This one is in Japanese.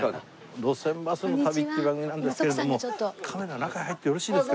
『路線バスの旅』っていう番組なんですけれどもカメラ中へ入ってよろしいですか？